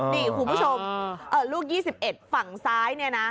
นี่คุณผู้ชมลูก๒๑ฝั่งซ้ายเนี่ยนะ